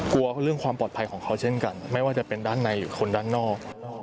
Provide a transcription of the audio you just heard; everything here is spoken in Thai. กลัวเรื่องความปลอดภัยของเขาเช่นกันไม่ว่าจะเป็นด้านในหรือคนด้านนอก